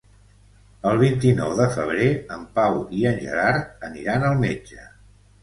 El vint-i-nou de febrer en Pau i en Gerard aniran al metge.